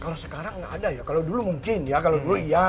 kalau sekarang nggak ada ya kalau dulu mungkin ya kalau dulu iya